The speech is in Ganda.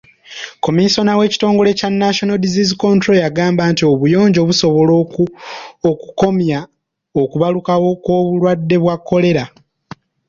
Kamiisona mu kitongole kya National Disease Control yagamba nti obuyonjo busobola okukomya okubalukawo kw'obulwadde bwa kolera.